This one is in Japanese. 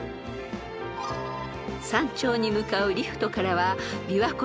［山頂に向かうリフトからは琵琶湖の大パノラマが］